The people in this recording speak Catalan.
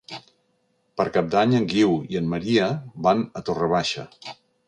Per Cap d'Any en Guiu i en Maria van a Torre Baixa.